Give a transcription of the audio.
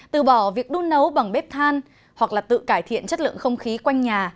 từ bỏ việc đun nấu bằng bếp than hoặc là tự cải thiện chất lượng không khí quanh nhà